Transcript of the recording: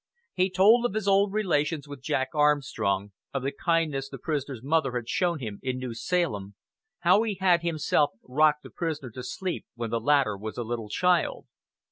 He told of his old relations with Jack Armstrong, of the kindness the prisoner's mother had shown him in New Salem, how he had himself rocked the prisoner to sleep when the latter was a little child.